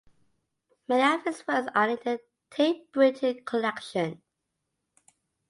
Many of his works are in the Tate Britain collection.